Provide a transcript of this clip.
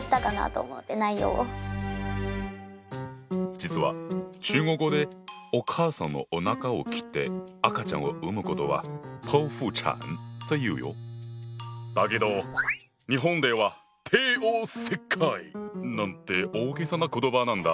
実は中国語でお母さんのおなかを切って赤ちゃんを産むことはだけど日本ではなんて大げさな言葉なんだ。